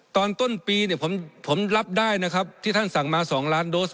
ตอนต้นปีเนี่ยผมรับได้นะครับที่ท่านสั่งมา๒ล้านโดส